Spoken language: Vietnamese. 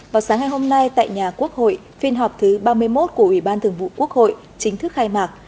vào sáng ngày hôm nay tại nhà quốc hội phiên họp thứ ba mươi một của ủy ban thường vụ quốc hội chính thức khai mạc